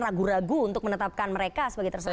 ragu ragu untuk menetapkan mereka sebagai tersangka